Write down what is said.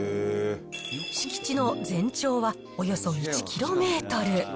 敷地の全長はおよそ１キロメートル。